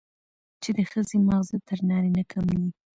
چې د ښځې ماغزه تر نارينه کم دي،